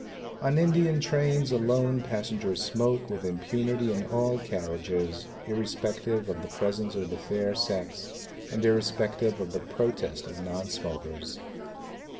On Indian trains alone passengers smoke with impunity in all carriages irrespective of the presence of the fair sex and irrespective of the protest of non smokers.